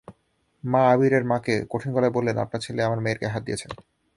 মা আবীরের মাকে কঠিন গলায় বললেন, আপনার ছেলে আমার মেয়ের গায়ে হাত দিয়েছে।